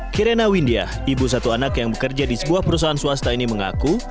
kirana windiah ibu satu anak yang bekerja di sebuah perusahaan swasta ini mengaku